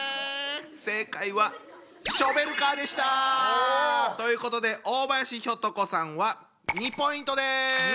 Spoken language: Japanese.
正解はショベルカーでした！ということで大林ひょと子さんは２ポイントです！